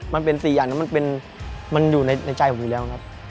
มันเป็นสี่อย่างนะครับมันอยู่ในใจผมอีกแล้วครับ